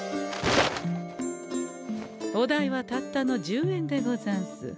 お代はたったの１０円でござんす。